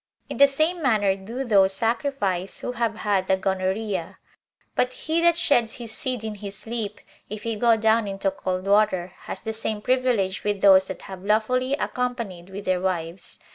In the same manner do those sacrifice who have had the gonorrhea. But he that sheds his seed in his sleep, if he go down into cold water, has the same privilege with those that have lawfully accompanied with their wives.